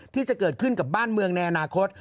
ที่จะเกิดขึ้นกับบ้านเมืองในอนาคต